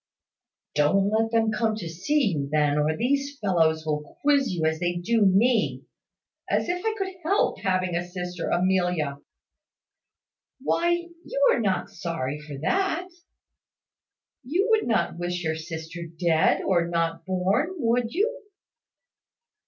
"Don't let them come to see you, then, or these fellows will quiz you as they do me. As if I could help having a sister Amelia!" "Why, you are not sorry for that? You would not wish your sister dead, or not born, would you?"